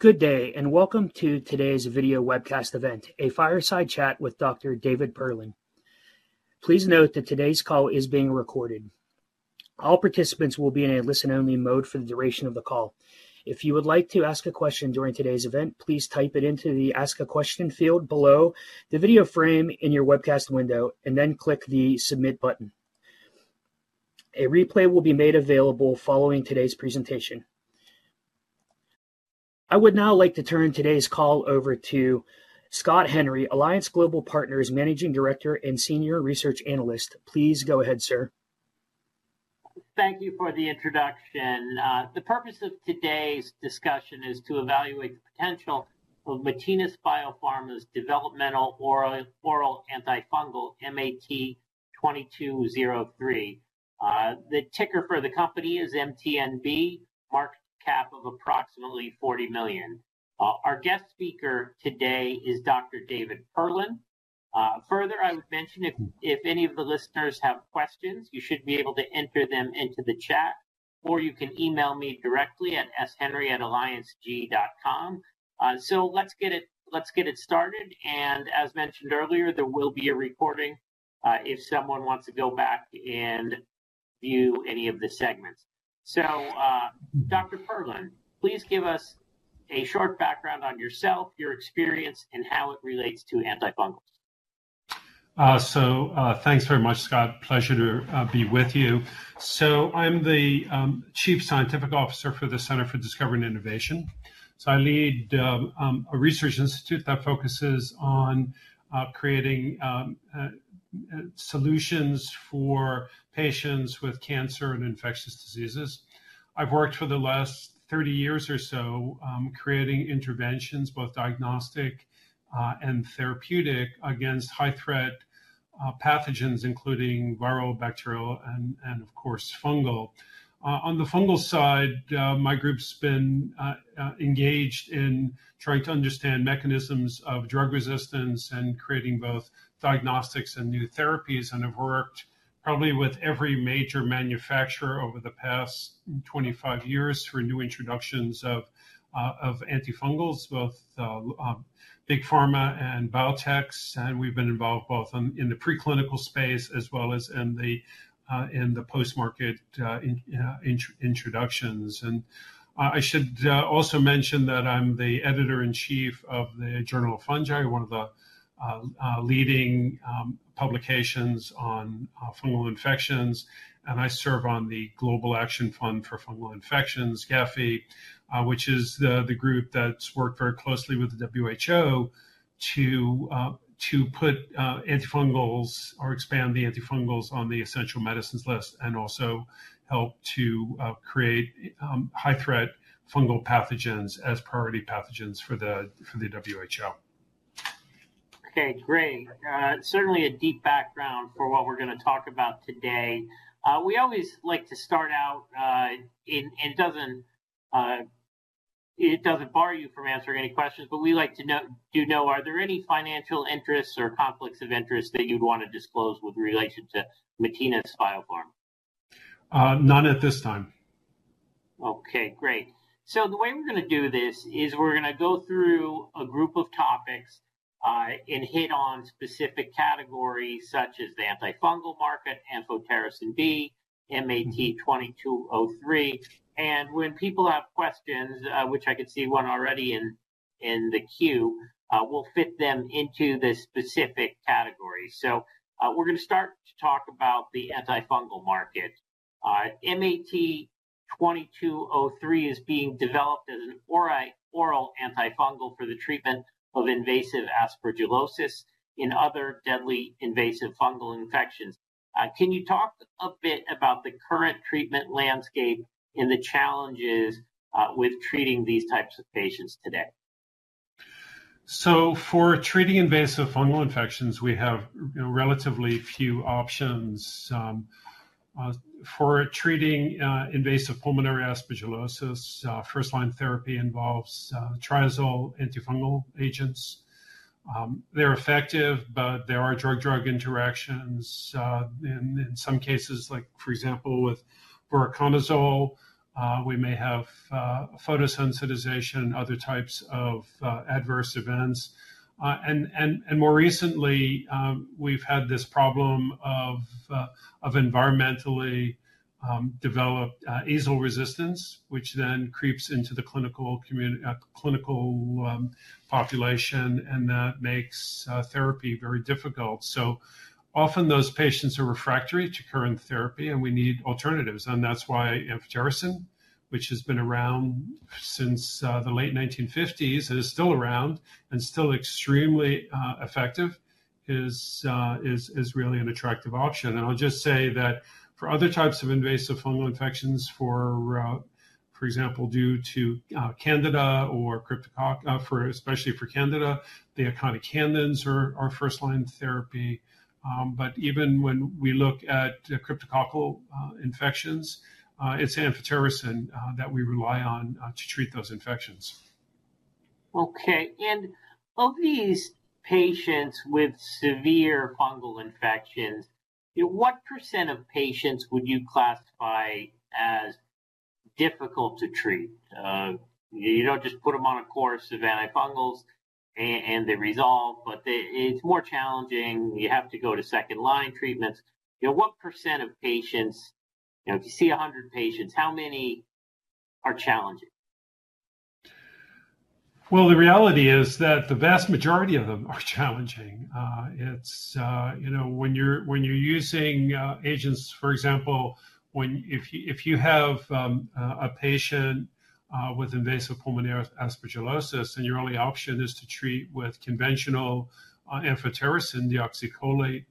Good day, and welcome to today's video webcast event, a fireside chat with Dr. David Perlin. Please note that today's call is being recorded. All participants will be in a listen-only mode for the duration of the call. If you would like to ask a question during today's event, please type it into the Ask a Question field below the video frame in your webcast window, and then click the Submit button. A replay will be made available following today's presentation. I would now like to turn today's call over to Scott Henry, Alliance Global Partners Managing Director and Senior Research Analyst. Please go ahead, sir. Thank you for the introduction. The purpose of today's discussion is to evaluate the potential of Matinas BioPharma's developmental oral antifungal, MAT2203. The ticker for the company is MTNB, market cap of approximately $40 million. Our guest speaker today is Dr. David Perlin. Further, I would mention if any of the listeners have questions, you should be able to enter them into the chat, or you can email me directly at shenry@allianceg.com. Let's get it started. As mentioned earlier, there will be a recording if someone wants to go back and view any of the segments. Dr. Perlin, please give us a short background on yourself, your experience, and how it relates to antifungals. So thanks very much, Scott. Pleasure to be with you. So I'm the Chief Scientific Officer for the Center for Discovery and Innovation. So I lead a research institute that focuses on creating solutions for patients with cancer and infectious diseases. I've worked for the last 30 years or so creating interventions, both diagnostic and therapeutic, against high-threat pathogens, including viral, bacterial, and, of course, fungal. On the fungal side, my group's been engaged in trying to understand mechanisms of drug resistance and creating both diagnostics and new therapies, and have worked probably with every major manufacturer over the past 25 years for new introductions of antifungals, both big pharma and biotech. We've been involved both in the preclinical space as well as in the post-market introductions. I should also mention that I'm the Editor-in-Chief of the Journal of Fungi, one of the leading publications on fungal infections. I serve on the Global Action Fund for Fungal Infections, GAFFI, which is the group that's worked very closely with the WHO to put antifungals or expand the antifungals on the essential medicines list and also help to create high-threat fungal pathogens as priority pathogens for the WHO. Okay, great. Certainly a deep background for what we're going to talk about today. We always like to start out, and it doesn't bar you from answering any questions, but we like to know, are there any financial interests or conflicts of interest that you'd want to disclose with relation to Matinas BioPharma? None at this time. Okay, great. So the way we're going to do this is we're going to go through a group of topics and hit on specific categories such as the antifungal market, amphotericin B, MAT2203. And when people have questions, which I can see one already in the queue, we'll fit them into this specific category. So we're going to start to talk about the antifungal market. MAT2203 is being developed as an oral antifungal for the treatment of invasive aspergillosis and other deadly invasive fungal infections. Can you talk a bit about the current treatment landscape and the challenges with treating these types of patients today? So for treating invasive fungal infections, we have relatively few options. For treating invasive pulmonary aspergillosis, first-line therapy involves triazole antifungal agents. They're effective, but there are drug-drug interactions. In some cases, like for example, with voriconazole, we may have photosensitization and other types of adverse events. And more recently, we've had this problem of environmentally developed azole resistance, which then creeps into the clinical population and that makes therapy very difficult. So often those patients are refractory to current therapy, and we need alternatives. And that's why amphotericin, which has been around since the late 1950s and is still around and still extremely effective, is really an attractive option. And I'll just say that for other types of invasive fungal infections, for example, due to Candida or especially for Candida, the echinocandins are first-line therapy. Even when we look at cryptococcal infections, it's amphotericin that we rely on to treat those infections. Okay. Of these patients with severe fungal infections, what percent of patients would you classify as difficult to treat? You don't just put them on a course of antifungals and they resolve, but it's more challenging. You have to go to second-line treatments. What percent of patients, if you see 100 patients, how many are challenging? Well, the reality is that the vast majority of them are challenging. When you're using agents, for example, if you have a patient with invasive pulmonary aspergillosis and your only option is to treat with conventional amphotericin, the deoxycholate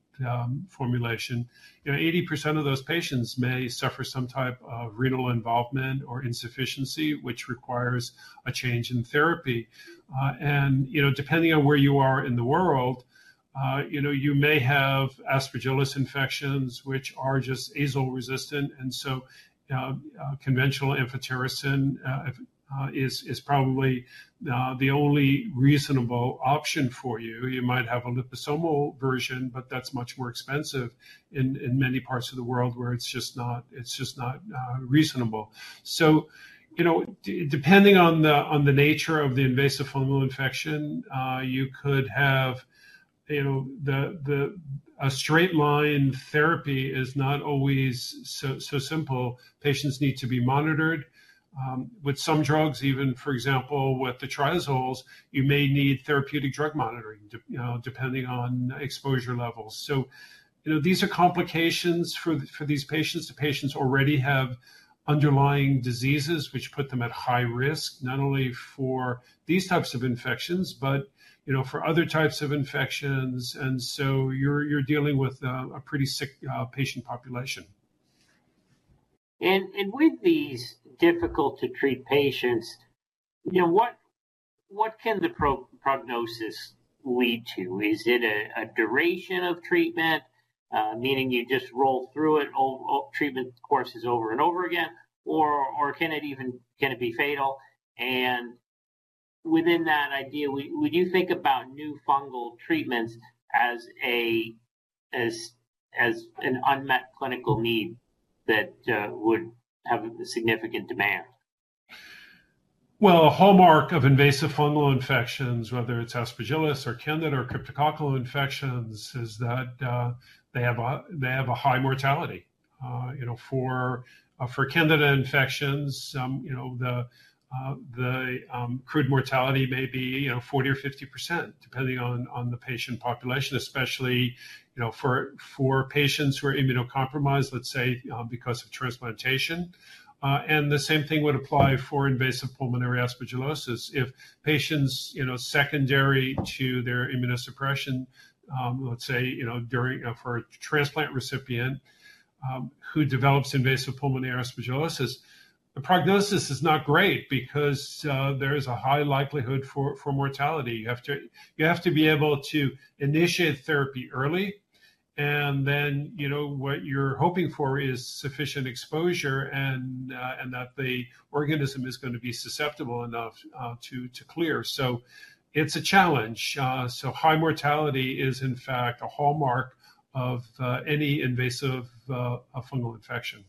formulation, 80% of those patients may suffer some type of renal involvement or insufficiency, which requires a change in therapy. Depending on where you are in the world, you may have Aspergillus infections, which are just azole resistant. So conventional amphotericin is probably the only reasonable option for you. You might have a liposomal version, but that's much more expensive in many parts of the world where it's just not reasonable. So depending on the nature of the invasive fungal infection, you could have a straight line therapy is not always so simple. Patients need to be monitored. With some drugs, even, for example, with the triazoles, you may need therapeutic drug monitoring depending on exposure levels. These are complications for these patients. The patients already have underlying diseases, which put them at high risk, not only for these types of infections, but for other types of infections. You're dealing with a pretty sick patient population. With these difficult-to-treat patients, what can the prognosis lead to? Is it a duration of treatment, meaning you just roll through it, treatment courses over and over again, or can it even be fatal? Within that idea, would you think about new fungal treatments as an unmet clinical need that would have significant demand? Well, a hallmark of invasive fungal infections, whether it's Aspergillus or Candida or cryptococcal infections, is that they have a high mortality. For Candida infections, the crude mortality may be 40%-50%, depending on the patient population, especially for patients who are immunocompromised, let's say, because of transplantation. The same thing would apply for invasive pulmonary aspergillosis. If patients secondary to their immunosuppression, let's say, for a transplant recipient who develops invasive pulmonary aspergillosis, the prognosis is not great because there is a high likelihood for mortality. You have to be able to initiate therapy early, and then what you're hoping for is sufficient exposure and that the organism is going to be susceptible enough to clear. It's a challenge. High mortality is, in fact, a hallmark of any invasive fungal infection.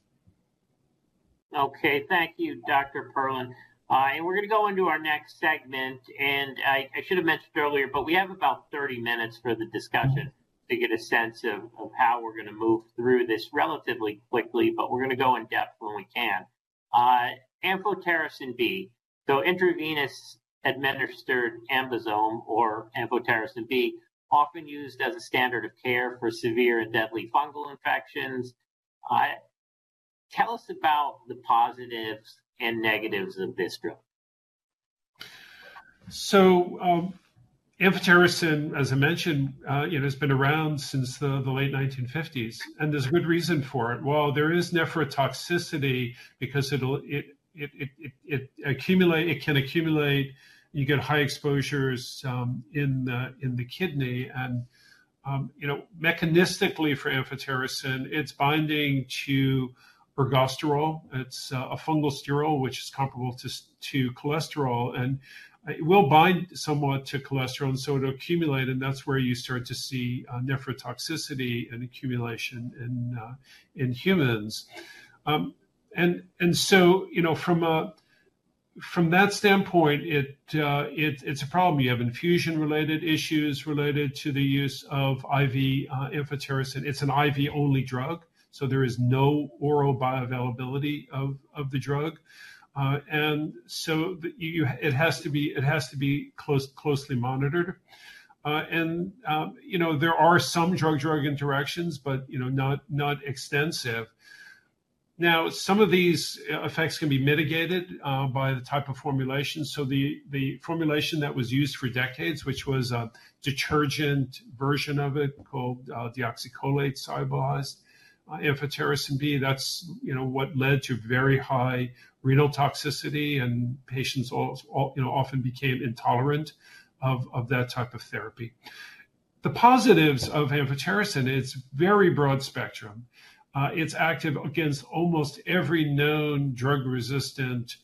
Okay, thank you, Dr. Perlin. We're going to go into our next segment. I should have mentioned earlier, but we have about 30 minutes for the discussion to get a sense of how we're going to move through this relatively quickly, but we're going to go in depth when we can. Amphotericin B, so intravenous administered AmBisome or amphotericin B, often used as a standard of care for severe and deadly fungal infections. Tell us about the positives and negatives of this drug. So amphotericin, as I mentioned, has been around since the late 1950s, and there's a good reason for it. Well, there is nephrotoxicity because it can accumulate. You get high exposures in the kidney. And mechanistically for amphotericin, it's binding to ergosterol. It's a fungal sterol which is comparable to cholesterol, and it will bind somewhat to cholesterol. And so it'll accumulate, and that's where you start to see nephrotoxicity and accumulation in humans. And so from that standpoint, it's a problem. You have infusion-related issues related to the use of IV amphotericin. It's an IV-only drug, so there is no oral bioavailability of the drug. And so it has to be closely monitored. And there are some drug-drug interactions, but not extensive. Now, some of these effects can be mitigated by the type of formulation. So the formulation that was used for decades, which was a detergent version of it called the deoxycholate-solubilized amphotericin B, that's what led to very high renal toxicity, and patients often became intolerant of that type of therapy. The positives of amphotericin, it's very broad spectrum. It's active against almost every known drug-resistant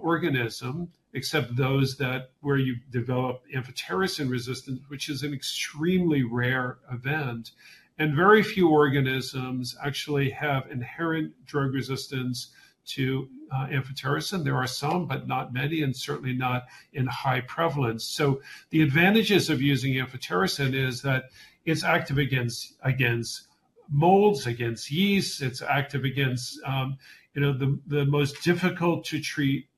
organism, except those where you develop amphotericin resistance, which is an extremely rare event. And very few organisms actually have inherent drug resistance to amphotericin. There are some, but not many and certainly not in high prevalence. So the advantages of using amphotericin is that it's active against molds, against yeast. It's active against the most difficult-to-treat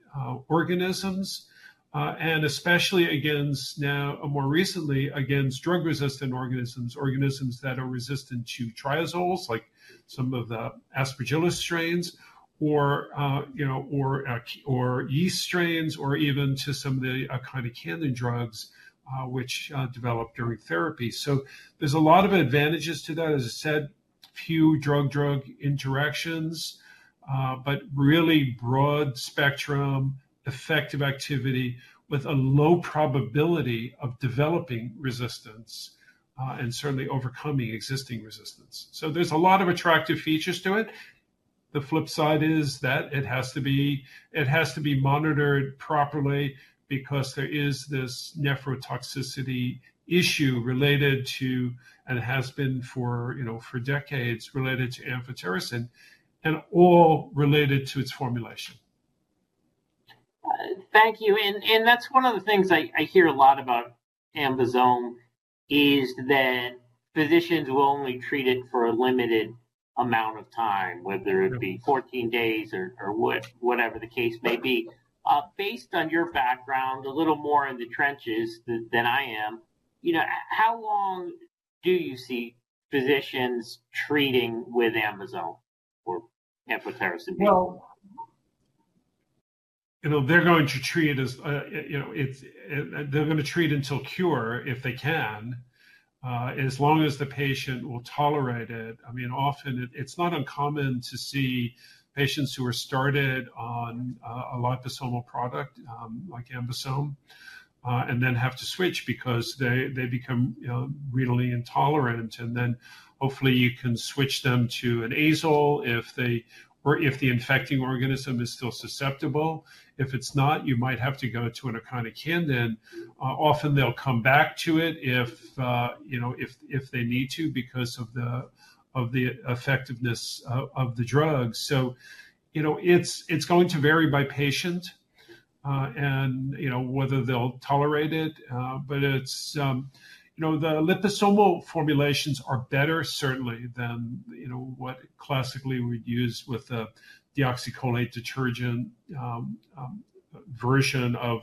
organisms, and especially against, now more recently, against drug-resistant organisms, organisms that are resistant to triazoles, like some of the Aspergillus strains or yeast strains, or even to some of the echinocandin drugs which develop during therapy. So there's a lot of advantages to that, as I said, few drug-drug interactions, but really broad spectrum effective activity with a low probability of developing resistance and certainly overcoming existing resistance. So there's a lot of attractive features to it. The flip side is that it has to be monitored properly because there is this nephrotoxicity issue related to, and has been for decades related to amphotericin and all related to its formulation. Thank you. That's one of the things I hear a lot about AmBisome, is that physicians will only treat it for a limited amount of time, whether it be 14 days or whatever the case may be. Based on your background, a little more in the trenches than I am, how long do you see physicians treating with AmBisome or amphotericin B? Well, they're going to treat it as they're going to treat until cure if they can, as long as the patient will tolerate it. I mean, often it's not uncommon to see patients who are started on a liposomal product like AmBisome and then have to switch because they become renally intolerant. And then hopefully you can switch them to an azole if the infecting organism is still susceptible. If it's not, you might have to go to an echinocandin. Often they'll come back to it if they need to because of the effectiveness of the drug. So it's going to vary by patient and whether they'll tolerate it. But the liposomal formulations are better, certainly, than what classically we'd use with the deoxycholate detergent version of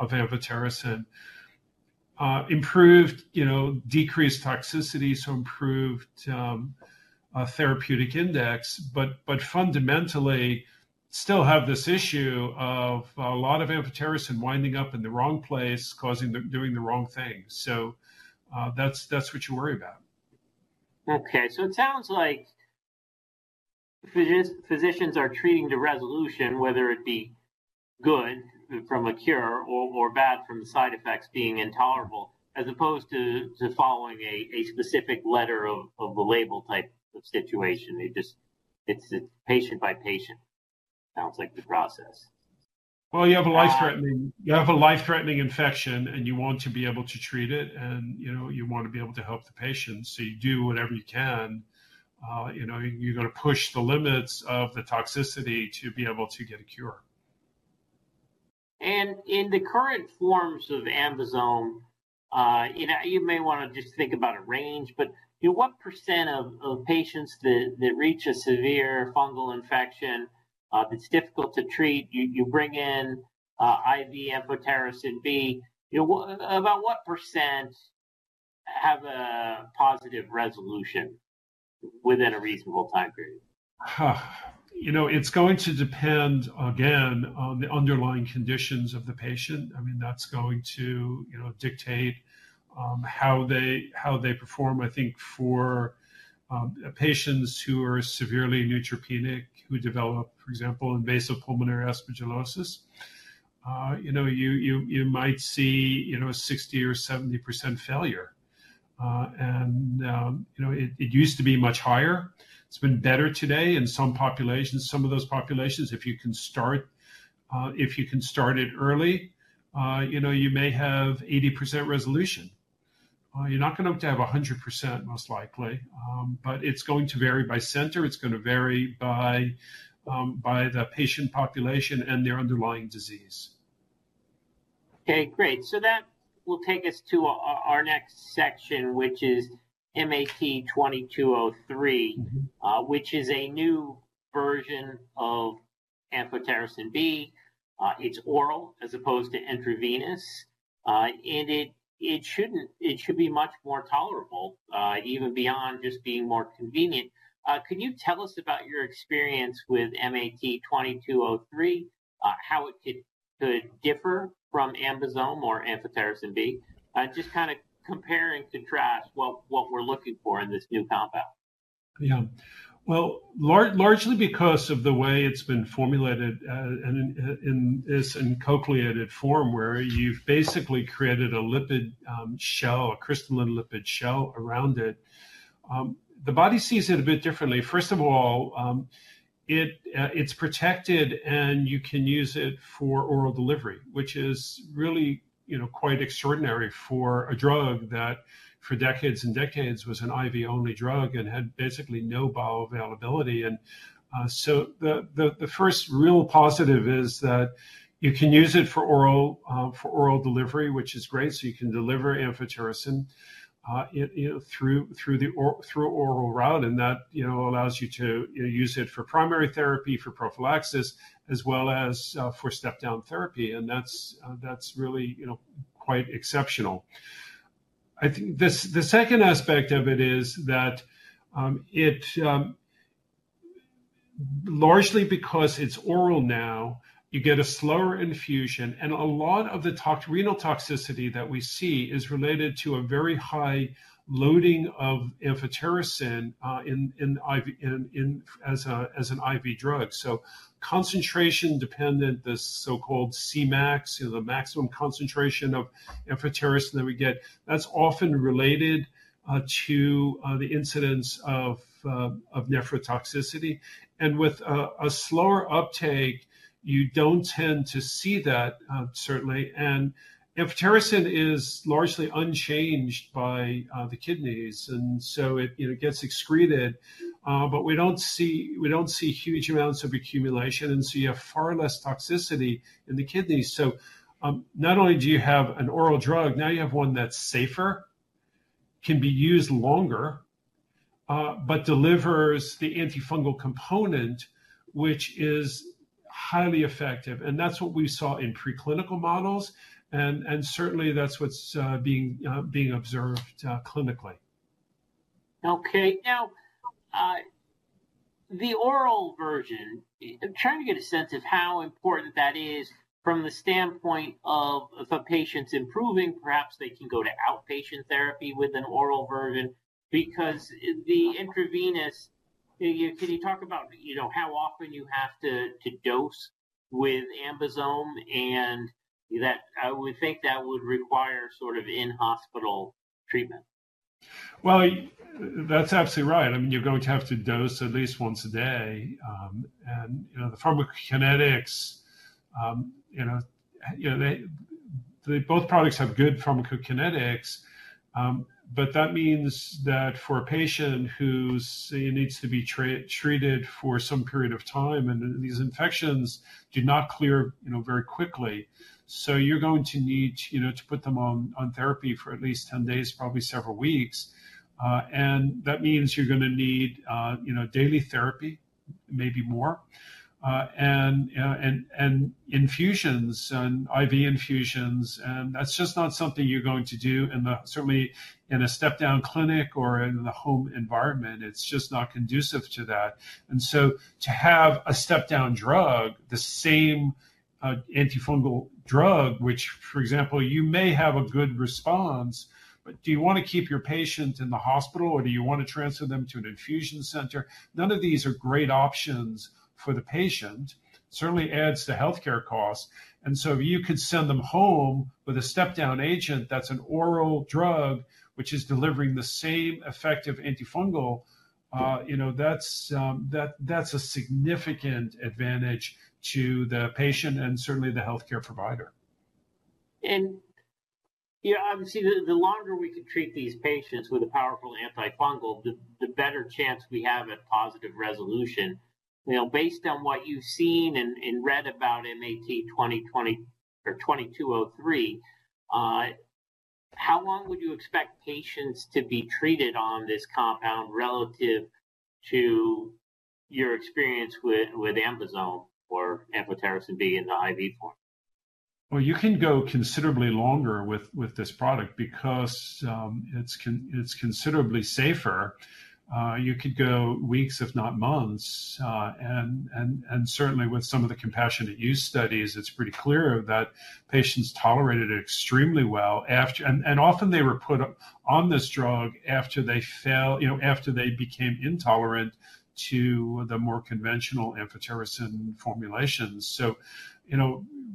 amphotericin. Improved, decreased toxicity, so improved therapeutic index, but fundamentally still have this issue of a lot of amphotericin winding up in the wrong place, doing the wrong thing. So that's what you worry about. Okay. So it sounds like physicians are treating the resolution, whether it be good from a cure or bad from the side effects being intolerable, as opposed to following a specific letter of the label type of situation. It's patient by patient, sounds like the process. Well, you have a life-threatening infection, and you want to be able to treat it, and you want to be able to help the patient. So you do whatever you can. You're going to push the limits of the toxicity to be able to get a cure. In the current forms of amphotericin, you may want to just think about a range, but what percent of patients that reach a severe fungal infection that's difficult to treat, you bring in IV amphotericin B, about what percent have a positive resolution within a reasonable time period? It's going to depend, again, on the underlying conditions of the patient. I mean, that's going to dictate how they perform. I think for patients who are severely neutropenic, who develop, for example, invasive pulmonary aspergillosis, you might see 60%-70% failure. It used to be much higher. It's been better today in some populations. Some of those populations, if you can start it early, you may have 80% resolution. You're not going to have to have 100%, most likely, but it's going to vary by center. It's going to vary by the patient population and their underlying disease. Okay, great. So that will take us to our next section, which is MAT2203, which is a new version of amphotericin B. It's oral as opposed to intravenous, and it should be much more tolerable, even beyond just being more convenient. Could you tell us about your experience with MAT2203, how it could differ from AmBisome or amphotericin B, just kind of compare and contrast what we're looking for in this new compound? Yeah. Well, largely because of the way it's been formulated in this encochleated form, where you've basically created a crystalline lipid shell around it, the body sees it a bit differently. First of all, it's protected, and you can use it for oral delivery, which is really quite extraordinary for a drug that for decades and decades was an IV-only drug and had basically no bioavailability. And so the first real positive is that you can use it for oral delivery, which is great. So you can deliver amphotericin through the oral route, and that allows you to use it for primary therapy, for prophylaxis, as well as for step-down therapy. And that's really quite exceptional. I think the second aspect of it is that largely because it's oral now, you get a slower infusion, and a lot of the renal toxicity that we see is related to a very high loading of amphotericin as an IV drug. So concentration dependent, the so-called Cmax, the maximum concentration of amphotericin that we get, that's often related to the incidence of nephrotoxicity. And with a slower uptake, you don't tend to see that, certainly. And amphotericin is largely unchanged by the kidneys, and so it gets excreted, but we don't see huge amounts of accumulation, and so you have far less toxicity in the kidneys. So not only do you have an oral drug, now you have one that's safer, can be used longer, but delivers the antifungal component, which is highly effective. And that's what we saw in preclinical models, and certainly that's what's being observed clinically. Okay. Now, the oral version, I'm trying to get a sense of how important that is from the standpoint of a patient's improving. Perhaps they can go to outpatient therapy with an oral version because the intravenous, can you talk about how often you have to dose with AmBisome? And I would think that would require sort of in-hospital treatment. Well, that's absolutely right. I mean, you're going to have to dose at least once a day. And the pharmacokinetics, both products have good pharmacokinetics, but that means that for a patient who needs to be treated for some period of time, and these infections do not clear very quickly. So you're going to need to put them on therapy for at least 10 days, probably several weeks. And that means you're going to need daily therapy, maybe more, and infusions and IV infusions. And that's just not something you're going to do certainly in a step-down clinic or in the home environment. It's just not conducive to that. And so to have a step-down drug, the same antifungal drug, which, for example, you may have a good response, but do you want to keep your patient in the hospital, or do you want to transfer them to an infusion center? None of these are great options for the patient. Certainly adds to healthcare costs. And so if you could send them home with a step-down agent that's an oral drug, which is delivering the same effective antifungal, that's a significant advantage to the patient and certainly the healthcare provider. And obviously, the longer we can treat these patients with a powerful antifungal, the better chance we have at positive resolution. Based on what you've seen and read about MAT2203, how long would you expect patients to be treated on this compound relative to your experience with AmBisome or amphotericin B in the IV-form? Well, you can go considerably longer with this product because it's considerably safer. You could go weeks, if not months. And certainly with some of the compassionate use studies, it's pretty clear that patients tolerated it extremely well. And often they were put on this drug after they became intolerant to the more conventional amphotericin formulations. So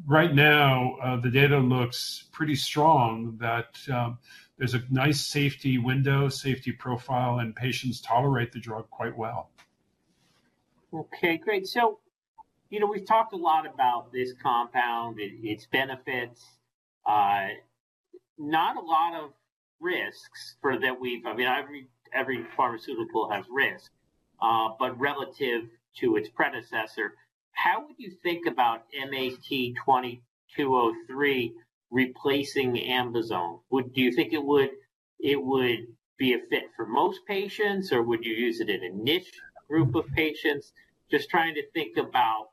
right now, the data looks pretty strong that there's a nice safety window, safety profile, and patients tolerate the drug quite well. Okay, great. So we've talked a lot about this compound, its benefits, not a lot of risks that we've—I mean, every pharmaceutical has risks, but relative to its predecessor. How would you think about MAT2203 replacing AmBisome? Do you think it would be a fit for most patients, or would you use it in a niche group of patients? Just trying to think about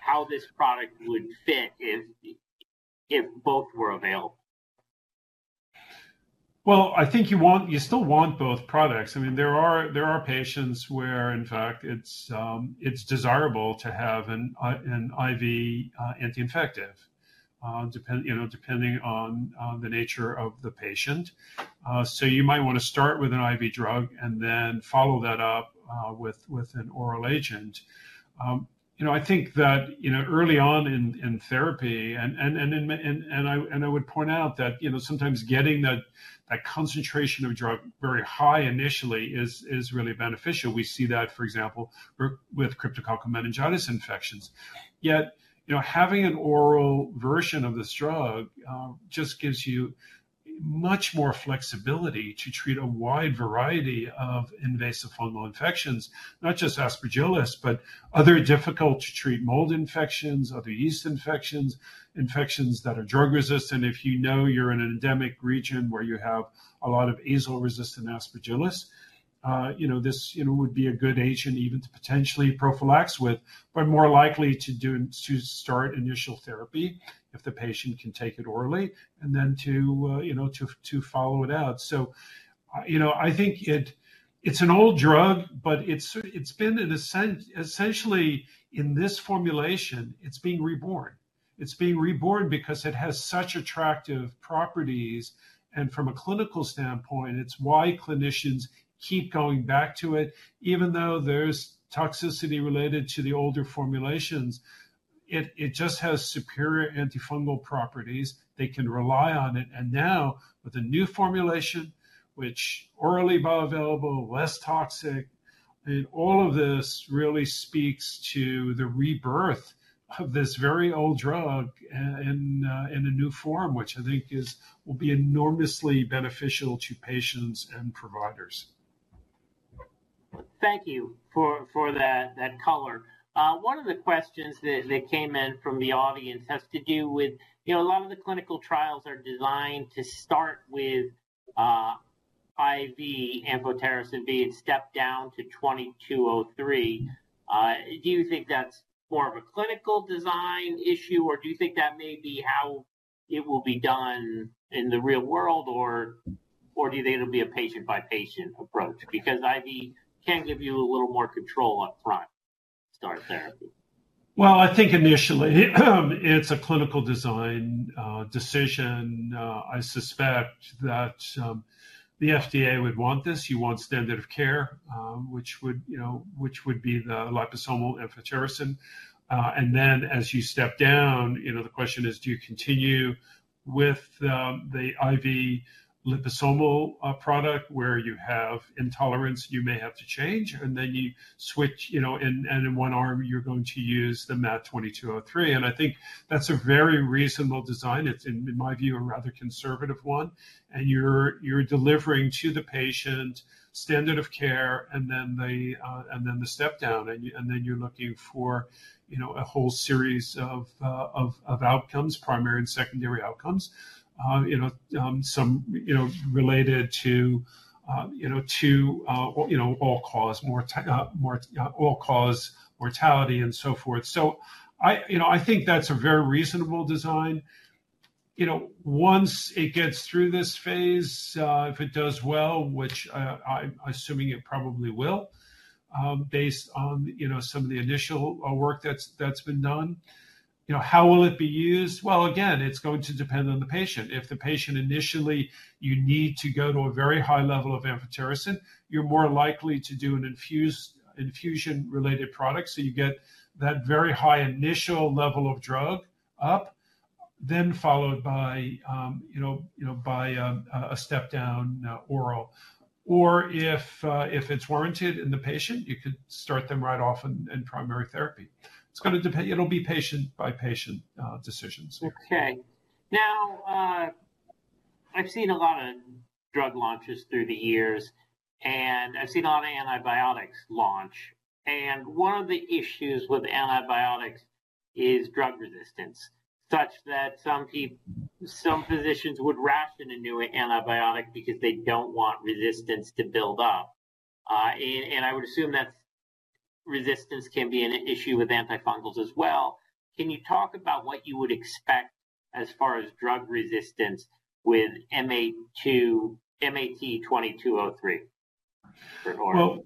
how this product would fit if both were available. Well, I think you still want both products. I mean, there are patients where, in fact, it's desirable to have an IV anti-infective depending on the nature of the patient. So you might want to start with an IV drug and then follow that up with an oral agent. I think that early on in therapy, and I would point out that sometimes getting that concentration of drug very high initially is really beneficial. We see that, for example, with cryptococcal meningitis infections. Yet having an oral version of this drug just gives you much more flexibility to treat a wide variety of invasive fungal infections, not just Aspergillus, but other difficult-to-treat mold infections, other yeast infections, infections that are drug-resistant. If you know you're in an endemic region where you have a lot of azole-resistant Aspergillus, this would be a good agent even to potentially prophylax with, but more likely to start initial therapy if the patient can take it orally and then to follow it out. So I think it's an old drug, but it's been essentially in this formulation, it's being reborn. It's being reborn because it has such attractive properties. From a clinical standpoint, it's why clinicians keep going back to it. Even though there's toxicity related to the older formulations, it just has superior antifungal properties. They can rely on it. Now with a new formulation, which is orally bioavailable, less toxic, and all of this really speaks to the rebirth of this very old drug in a new form, which I think will be enormously beneficial to patients and providers. Thank you for that color. One of the questions that came in from the audience has to do with a lot of the clinical trials are designed to start with IV amphotericin B and step-down to 2203. Do you think that's more of a clinical design issue, or do you think that may be how it will be done in the real world, or do they need to be a patient-by-patient approach because IV can give you a little more control upfront to start therapy? Well, I think initially it's a clinical design decision. I suspect that the FDA would want this. You want standard of care, which would be the liposomal amphotericin. And then as you step-down, the question is, do you continue with the IV liposomal product where you have intolerance, you may have to change, and then you switch, and in one arm, you're going to use the MAT2203. And I think that's a very reasonable design. It's, in my view, a rather conservative one. And you're delivering to the patient standard of care and then the step-down, and then you're looking for a whole series of outcomes, primary and secondary outcomes, related to all-cause mortality and so forth. So I think that's a very reasonable design. Once it gets through this phase, if it does well, which I'm assuming it probably will based on some of the initial work that's been done, how will it be used? Well, again, it's going to depend on the patient. If the patient initially you need to go to a very high level of amphotericin, you're more likely to do an infusion-related product. So you get that very high initial level of drug up, then followed by a step-down oral. Or if it's warranted in the patient, you could start them right off in primary therapy. It'll be patient-by-patient decisions. Okay. Now, I've seen a lot of drug launches through the years, and I've seen a lot of antibiotics launch. And one of the issues with antibiotics is drug resistance, such that some physicians would ration a new antibiotic because they don't want resistance to build up. And I would assume that resistance can be an issue with antifungals as well. Can you talk about what you would expect as far as drug resistance with MAT2203? Well,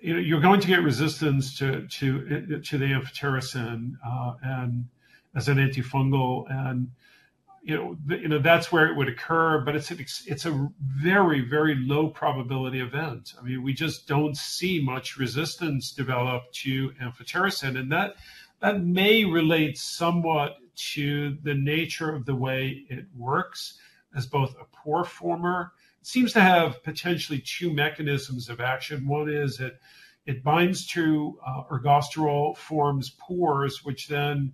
you're going to get resistance to the amphotericin as an antifungal, and that's where it would occur, but it's a very, very low probability event. I mean, we just don't see much resistance develop to amphotericin. And that may relate somewhat to the nature of the way it works as both a pore former. It seems to have potentially two mechanisms of action. One is it binds to ergosterol, forms pores, which then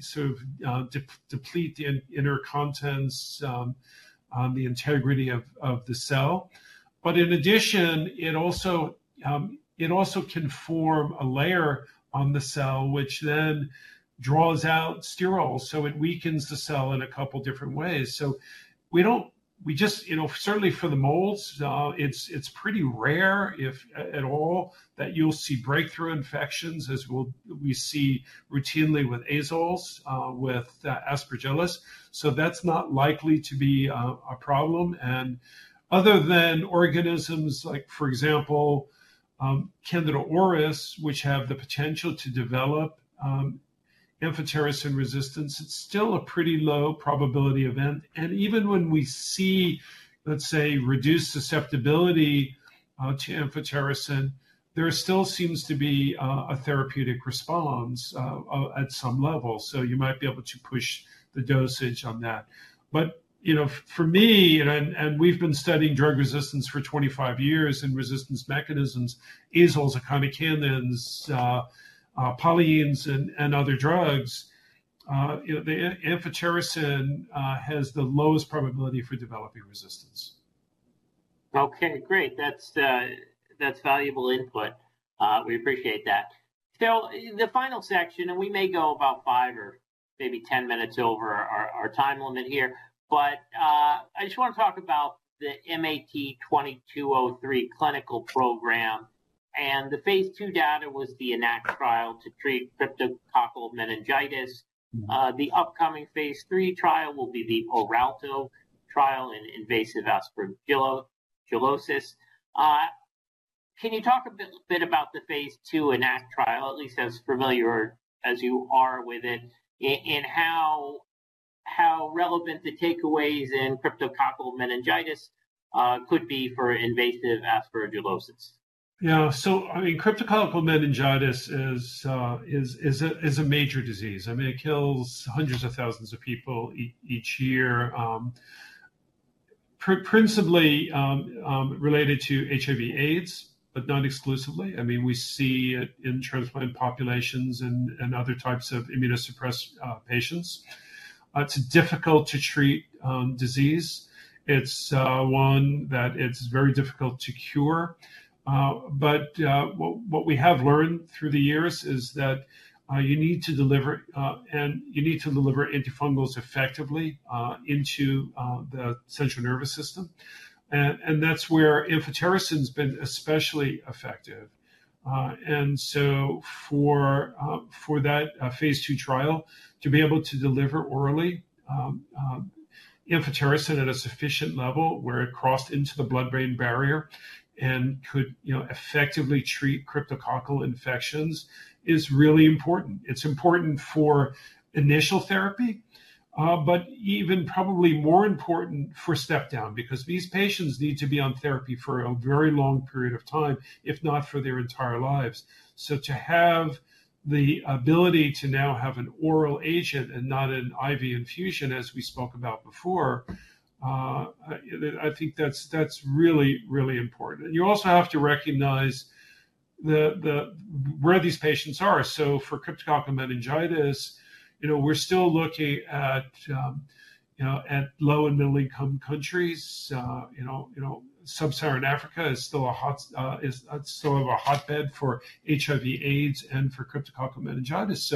sort of deplete the inner contents, the integrity of the cell. But in addition, it also can form a layer on the cell, which then draws out sterols. So it weakens the cell in a couple of different ways. So we just, certainly for the molds, it's pretty rare if at all that you'll see breakthrough infections as we see routinely with azoles, with Aspergillus. So that's not likely to be a problem. Other than organisms like, for example, Candida auris, which have the potential to develop amphotericin resistance, it's still a pretty low probability event. Even when we see, let's say, reduced susceptibility to amphotericin, there still seems to be a therapeutic response at some level. You might be able to push the dosage on that. For me, and we've been studying drug resistance for 25 years and resistance mechanisms, azoles, echinocandins, polyenes, and other drugs, the amphotericin has the lowest probability for developing resistance. Okay, great. That's valuable input. We appreciate that. So the final section, and we may go about 5 or maybe 10 minutes over our time limit here, but I just want to talk about the MAT2203 clinical program. The phase II data was the EnACT trial to treat cryptococcal meningitis. The upcoming phase III trial will be the ORALTO trial in invasive aspergillosis. Can you talk a bit about the phase II EnACT trial, at least as familiar as you are with it, and how relevant the takeaways in cryptococcal meningitis could be for invasive aspergillosis? Yeah. So I mean, cryptococcal meningitis is a major disease. I mean, it kills hundreds of thousands of people each year, principally related to HIV/AIDS, but not exclusively. I mean, we see it in transplant populations and other types of immunosuppressed patients. It's a difficult-to-treat disease. It's one that it's very difficult to cure. But what we have learned through the years is that you need to deliver, and you need to deliver antifungals effectively into the central nervous system. And that's where amphotericin has been especially effective. And so for that phase II trial, to be able to deliver orally amphotericin at a sufficient level where it crossed into the blood-brain barrier and could effectively treat cryptococcal infections is really important. It's important for initial therapy, but even probably more important for step-down because these patients need to be on therapy for a very long period of time, if not for their entire lives. So to have the ability to now have an oral agent and not an IV infusion, as we spoke about before, I think that's really, really important. You also have to recognize where these patients are. For cryptococcal meningitis, we're still looking at low and middle-income countries. Sub-Saharan Africa is still a hotbed for HIV/AIDS and for cryptococcal meningitis.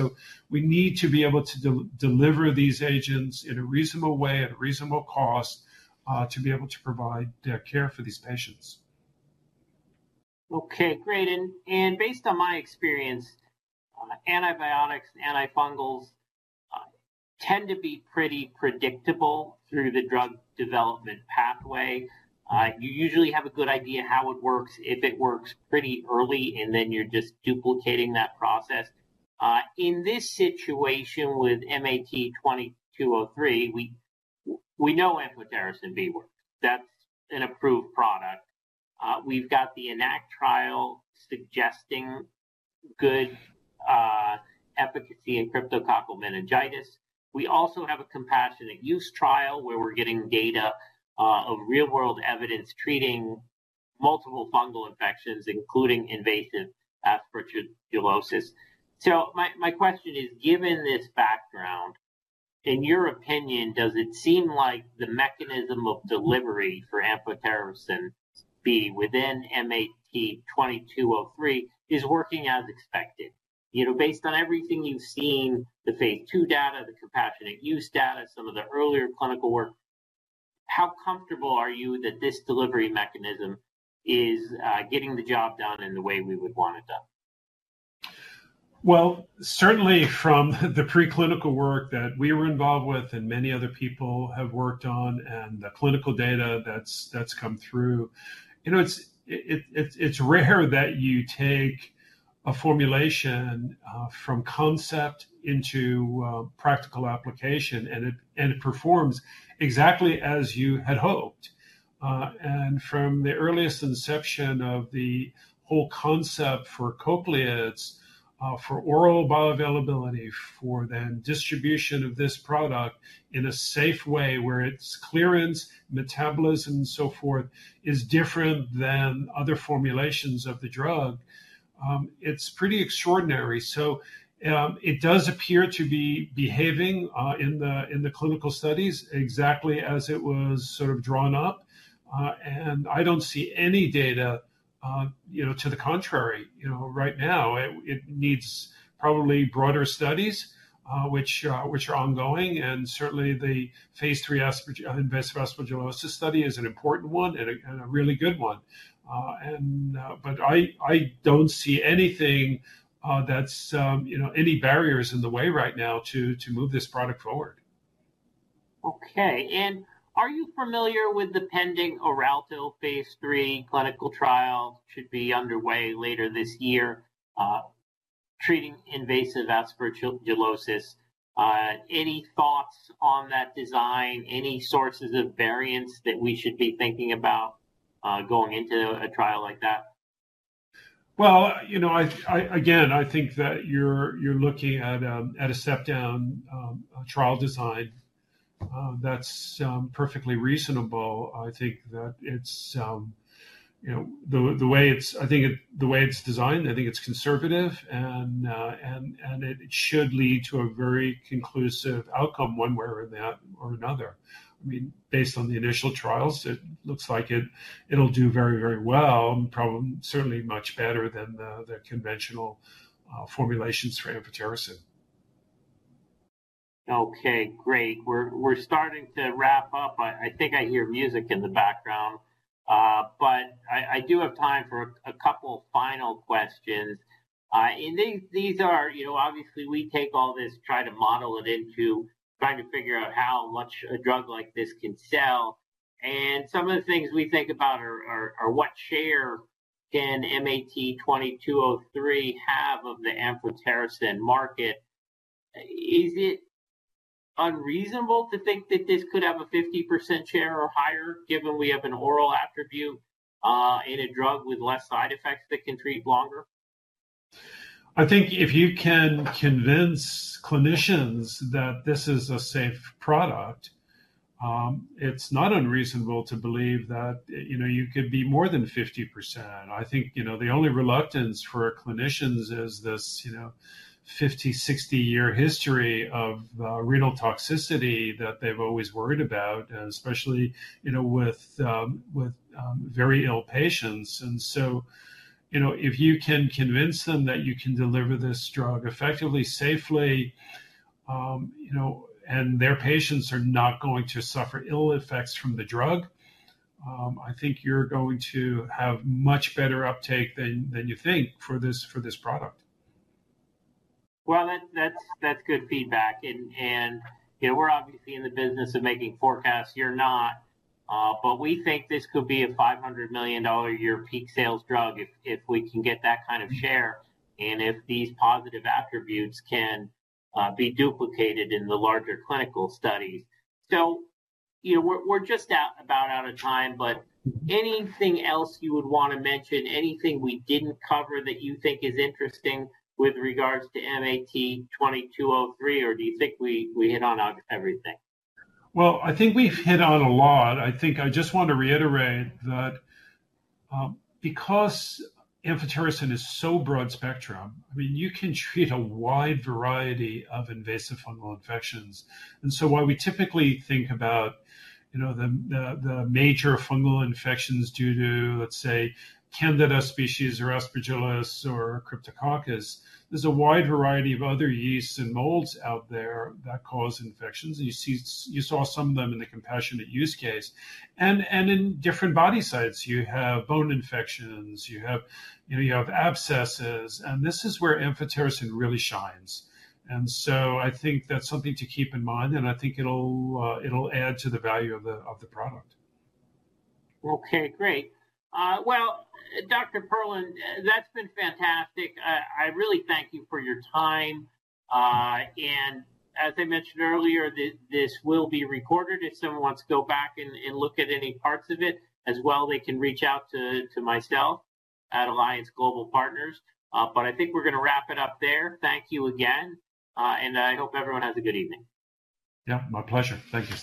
We need to be able to deliver these agents in a reasonable way, at a reasonable cost, to be able to provide care for these patients. Okay, great. And based on my experience, antibiotics, antifungals tend to be pretty predictable through the drug development pathway. You usually have a good idea how it works if it works pretty early, and then you're just duplicating that process. In this situation with MAT2203, we know amphotericin B works. That's an approved product. We've got the EnACT trial suggesting good efficacy in cryptococcal meningitis. We also have a compassionate use trial where we're getting data of real-world evidence treating multiple fungal infections, including invasive aspergillosis. So my question is, given this background, in your opinion, does it seem like the mechanism of delivery for amphotericin B within MAT2203 is working as expected? Based on everything you've seen, the phase II data, the compassionate use data, some of the earlier clinical work, how comfortable are you that this delivery mechanism is getting the job done in the way we would want it done? Well, certainly from the preclinical work that we were involved with and many other people have worked on and the clinical data that's come through, it's rare that you take a formulation from concept into practical application, and it performs exactly as you had hoped. And from the earliest inception of the whole concept for cochleates, for oral bioavailability, for then distribution of this product in a safe way where its clearance, metabolism, and so forth is different than other formulations of the drug, it's pretty extraordinary. So it does appear to be behaving in the clinical studies exactly as it was sort of drawn up. And I don't see any data to the contrary. Right now, it needs probably broader studies, which are ongoing. And certainly, the phase III invasive aspergillosis study is an important one and a really good one. I don't see anything that's any barriers in the way right now to move this product forward. Okay. And are you familiar with the pending ORALTO phase III clinical trial? It should be underway later this year treating invasive aspergillosis. Any thoughts on that design? Any sources of variance that we should be thinking about going into a trial like that? Well, again, I think that you're looking at a step-down trial design that's perfectly reasonable. I think that it's the way it's designed, I think it's conservative, and it should lead to a very conclusive outcome one way or another. I mean, based on the initial trials, it looks like it'll do very, very well, certainly much better than the conventional formulations for amphotericin. Okay, great. We're starting to wrap up. I think I hear music in the background, but I do have time for a couple of final questions. And these are, obviously, we take all this, try to model it into, trying to figure out how much a drug like this can sell. And some of the things we think about are what share can MAT2203 have of the amphotericin market. Is it unreasonable to think that this could have a 50% share or higher, given we have an oral attribute in a drug with less side effects that can treat longer? I think if you can convince clinicians that this is a safe product, it's not unreasonable to believe that you could be more than 50%. I think the only reluctance for clinicians is this 50-60-year history of renal toxicity that they've always worried about, especially with very ill patients. And so if you can convince them that you can deliver this drug effectively, safely, and their patients are not going to suffer ill effects from the drug, I think you're going to have much better uptake than you think for this product. Well, that's good feedback. We're obviously in the business of making forecasts. You're not. We think this could be a $500 million year peak sales drug if we can get that kind of share and if these positive attributes can be duplicated in the larger clinical studies. We're just about out of time, but anything else you would want to mention, anything we didn't cover that you think is interesting with regards to MAT2203, or do you think we hit on everything? Well, I think we've hit on a lot. I think I just want to reiterate that because amphotericin is so broad spectrum, I mean, you can treat a wide variety of invasive fungal infections. And so while we typically think about the major fungal infections due to, let's say, Candida species or Aspergillus or Cryptococcus, there's a wide variety of other yeasts and molds out there that cause infections. And you saw some of them in the compassionate use case. And in different body sites, you have bone infections, you have abscesses, and this is where amphotericin really shines. And so I think that's something to keep in mind, and I think it'll add to the value of the product. Okay, great. Well, Dr. Perlin, that's been fantastic. I really thank you for your time. And as I mentioned earlier, this will be recorded. If someone wants to go back and look at any parts of it as well, they can reach out to myself at Alliance Global Partners. But I think we're going to wrap it up there. Thank you again. And I hope everyone has a good evening. Yep, my pleasure. Thank you.